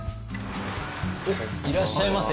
おっいらっしゃいませ。